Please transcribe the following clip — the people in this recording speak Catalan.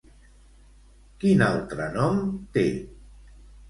Quin altre nom té?